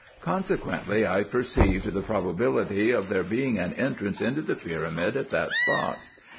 Consequently I perceived the pro bability of there being an entrance into the pyramid at that spot.